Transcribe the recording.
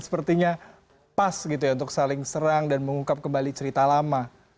sepertinya pas gitu ya untuk saling serang dan mengungkap kembali cerita lama